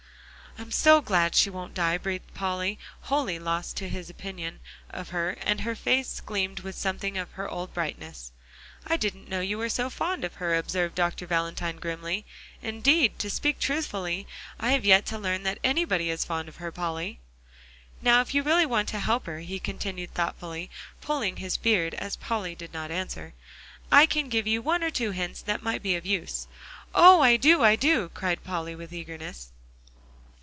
"I'm so glad she won't die," breathed Polly, wholly lost to his opinion of her; and her face gleamed with something of her old brightness. "I didn't know you were so fond of her," observed Dr. Valentine grimly; "indeed, to speak truthfully, I have yet to learn that anybody is fond of her, Polly." "Now if you really want to help her," he continued thoughtfully, pulling his beard, as Polly did not answer, "I can give you one or two hints that might be of use." "Oh! I do, I do," cried Polly with eagerness.